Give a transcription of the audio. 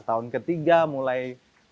tahun ketiga mulai